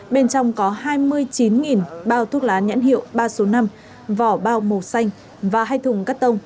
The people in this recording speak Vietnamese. bên trong có hai mươi chín bao thuốc lá nhãn hiệu ba số năm vỏ bao màu xanh và hai thùng cắt tông